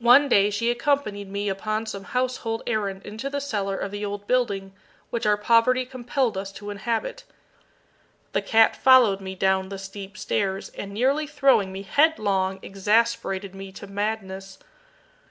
One day she accompanied me upon some household errand into the cellar of the old building which our poverty compelled us to inhabit. The cat followed me down the steep stairs, and nearly throwing me headlong, exasperated me to madness.